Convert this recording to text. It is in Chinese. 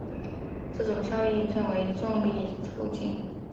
这种效应称为重力透镜。